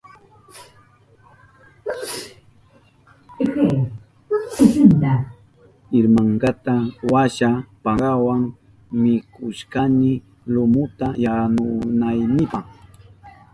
Irmankata walsa pankawa wichkashkani lumuta yanunaynipa.